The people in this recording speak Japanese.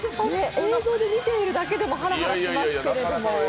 映像で見ているだけでもハラハラしますけれど。